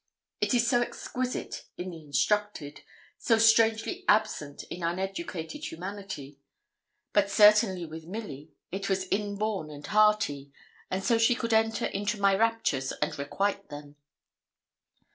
It is so exquisite in the instructed, so strangely absent in uneducated humanity. But certainly with Milly it was inborn and hearty; and so she could enter into my raptures, and requite them.